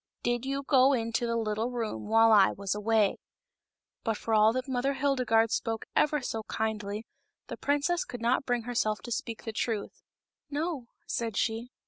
Did you go into the little room while I was away ?" But for all that Mother Hildegarde spoke ever so kindly the princess could not bring herself to speak the truth. " No," said she.